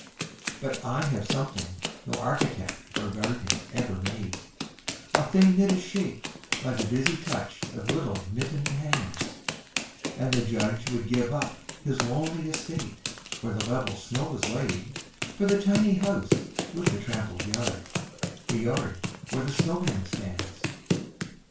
But I have something no architect or gardener ever made, A thing that is shaped by the busy touch of little mittened hands: And the Judge would give up his lonely estate, where the level snow is laid For the tiny house with the trampled yard, the yard where the snowman stands.